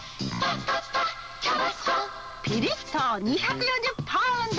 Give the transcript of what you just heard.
ピリっと２４０パウンド。